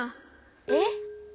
えっ？